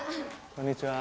こんにちは。